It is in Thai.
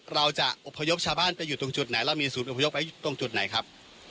เราจะอบพยพชาวบ้านไปอยู่ตรงจุดไหนเรามีศูนย์อพยพไว้ตรงจุดไหนครับ